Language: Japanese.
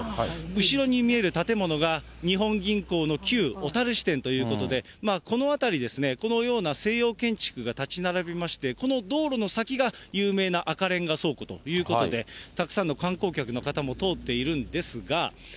後ろに見える建物が、日本銀行の旧小樽支店ということで、この辺り、このような西洋建築が建ち並びまして、この道路の先が、有名な赤レンガ倉庫ということで、たくさんの観光客の方も通っているんですが。